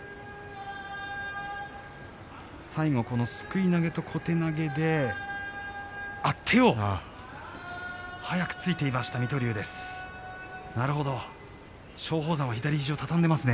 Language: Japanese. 最後、すくい投げと小手投げで手を早くついたのが水戸龍でしたね。